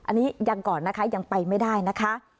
อันนี้ยังก่อนนะคะยังไปไม่ได้นะคะ